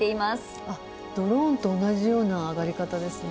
あっドローンと同じような上がり方ですね。